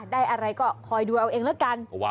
ได้อะไรก็คอยดูเอาเองแล้วกัน